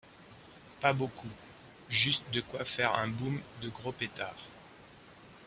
Pas beaucoup, juste de quoi faire un boum de gros pétard…